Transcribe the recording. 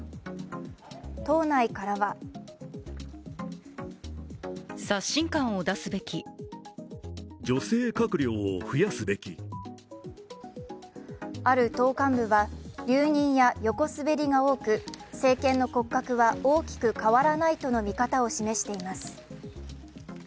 党内からはある党幹部は留任や横滑りが多く政権の骨格は大きく変わらないとの見方を示しています。